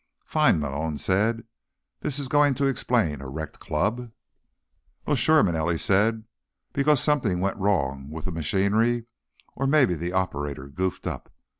"Fine," Malone said. "This is going to explain a wrecked club?" "Well, sure," Manelli said. "Because something went wrong with the machinery, or maybe the operator goofed up.